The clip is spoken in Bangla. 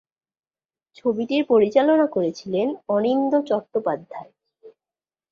ছবিটির পরিচালনা করেছিলেন অনিন্দ্য চট্টোপাধ্যায়।